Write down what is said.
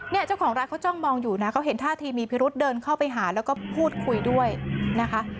เจ้าของร้านเขาจ้องมองอยู่นะเขาเห็นท่าทีมีพิรุษเดินเข้าไปหาแล้วก็พูดคุยด้วยนะคะ